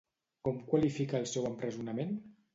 Com qualifica el seu empresonament?